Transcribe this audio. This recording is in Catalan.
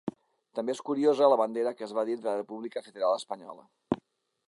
També és curiosa la bandera que es va dir de la república federal espanyola.